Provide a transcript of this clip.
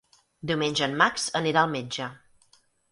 Diumenge en Max anirà al metge.